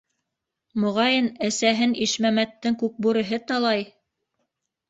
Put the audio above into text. Моғайын, әсәһен Ишмәмәттең Күкбүреһе талай!